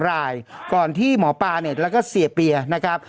รายก่อนที่หมอปลาเนี่ยแล้วก็เสียเปียนะครับ